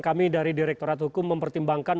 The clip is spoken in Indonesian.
kami dari direktorat hukum mempertimbangkan